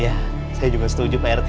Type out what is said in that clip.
iya saya juga setuju pak rete